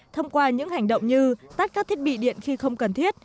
thông qua những hành động như tắt các thiết bị điện khi không cần thiết